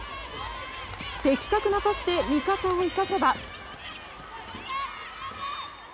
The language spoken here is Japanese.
的確なパスで味方を生かせば。